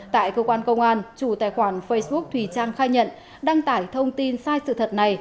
tại cơ quan công an chủ tài khoản facebook thùy trang khai nhận đăng tải thông tin sai sự thật này